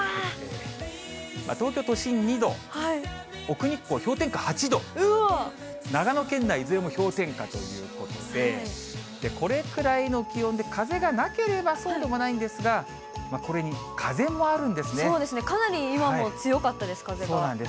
東京都心２度、奥日光、氷点下８度、長野県内いずれも氷点下ということで、これくらいの気温で風がなければそうでもないんですが、これに風そうですね、かなり今も強かそうなんです。